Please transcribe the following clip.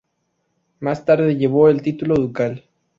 Más tarde llevó el título ducal.